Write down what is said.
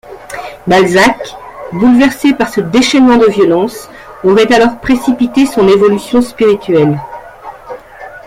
Balzac, bouleversé par ce déchaînement de violence, aurait alors précipité son évolution spirituelle.